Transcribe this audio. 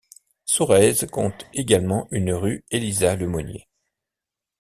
Sorèze compte également une rue Elisa-Lemonnier.